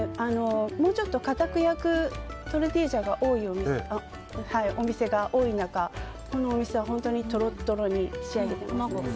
もうちょっとかたく焼くトルティージャのお店が多い中このお店は本当にとろとろに仕上げています。